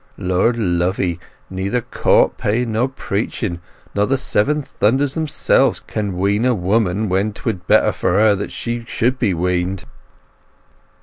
Lord love 'ee, neither court paying, nor preaching, nor the seven thunders themselves, can wean a woman when 'twould be better for her that she should be weaned."